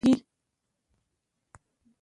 دلته همېش د لوړو ژورو بيرغونه رپېږي.